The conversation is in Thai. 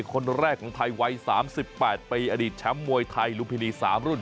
คนแรกของไทยวัย๓๘ปีอดีตแชมป์มวยไทยลุมพินี๓รุ่น